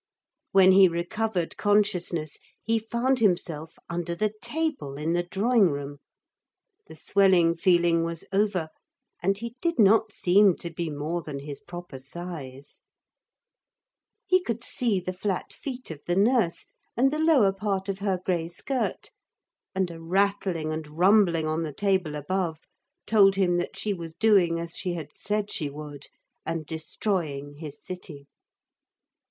When he recovered consciousness he found himself under the table in the drawing room. The swelling feeling was over, and he did not seem to be more than his proper size. He could see the flat feet of the nurse and the lower part of her grey skirt, and a rattling and rumbling on the table above told him that she was doing as she had said she would, and destroying his city.